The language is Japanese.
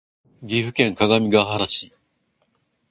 岐阜県各務原市